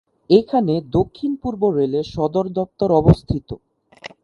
এখানে দক্ষিণ-পূর্ব রেলের সদর দপ্তর অবস্থিত।